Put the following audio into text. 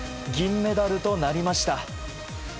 銀メダルとなりました。